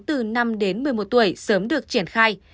từ năm đến một mươi một tuổi sớm được triển khai